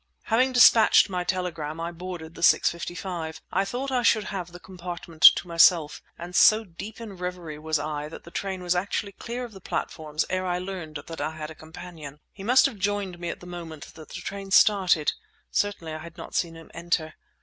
Having dispatched my telegram, I boarded the 6:55. I thought I should have the compartment to myself, and so deep in reverie was I that the train was actually clear of the platforms ere I learned that I had a companion. He must have joined me at the moment that the train started. Certainly, I had not seen him enter.